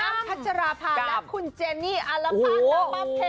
แม่อ้ำพัชราภาและคุณเจนี่อัลฟ่าน้ำมับเพล